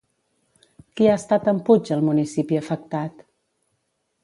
Qui ha estat amb Puig al municipi afectat?